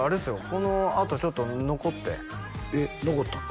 このあとちょっと残ってえっ残ったん？